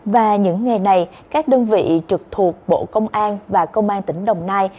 và những ngày này các đơn vị trực thuộc bộ công an và công an tỉnh đồng nai